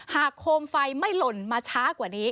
โคมไฟไม่หล่นมาช้ากว่านี้